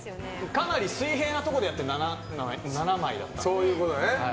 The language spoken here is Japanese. かなり水平なところでやって７枚だったので。